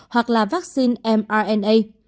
hoặc là vaccine mrna